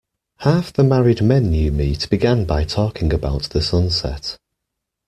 Half the married men you meet began by talking about the sunset.